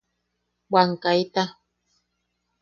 ¡¡Bwan kaita!